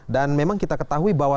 dan memang kita ketahui bahwa